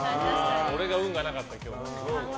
俺が運がなかった、今日は。